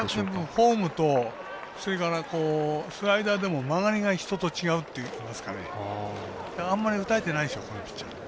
フォームとそれから、スライダーでも曲がりが人と違うといいますかあんまり打たれていないでしょピッチャー。